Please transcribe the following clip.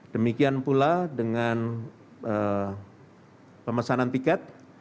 demikian pula dengan pemesanan tiket